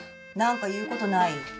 何か言うことない？